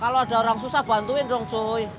kalau ada orang susah bantuin dong joy